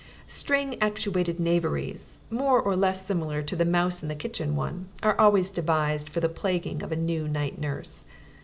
String actuated knaveries, more or less similar to the mouse in the kitchen one, are always devised for the plaguing of a new night nurse.